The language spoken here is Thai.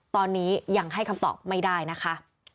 ตอนนี้ยังให้คำตอบไม่ได้นะคะ